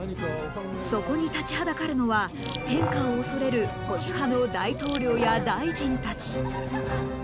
そこに立ちはだかるのは変化を恐れる保守派の大統領や大臣たち。